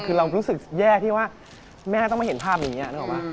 คือเรารู้สึกแย่ที่ว่าแม่ต้องมาเห็นภาพอย่างนี้นึกออกป่ะ